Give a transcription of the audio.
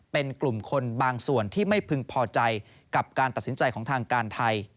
เป็นกลุ่มคนบางส่วนที่ไม่พึงพอใจกับการตัดสินใจของทางการไทย